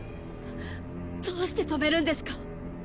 どうして止めるんですか